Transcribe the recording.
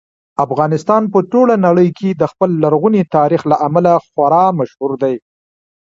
افغانستان په ټوله نړۍ کې د خپل لرغوني تاریخ له امله خورا مشهور دی.